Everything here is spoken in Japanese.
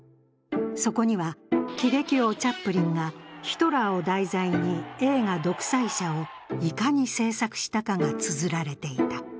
そこには、喜劇王チャップリンがヒトラーを題材に映画「独裁者」をいかに制作したかがつづられていた。